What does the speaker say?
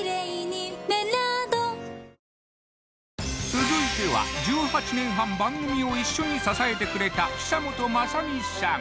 続いては１８年半番組を一緒に支えてくれた久本雅美さん